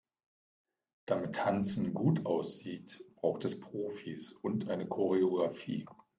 Damit Tanzen gut aussieht, braucht es Profis und eine Choreografie.